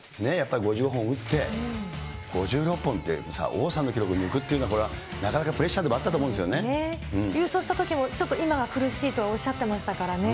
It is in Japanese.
５５本を打って、５６本って、王さんの記録抜くっていうのは、なかなかプレッシャーでもあった優勝したときも、ちょっと今は苦しいとおっしゃってましたからね。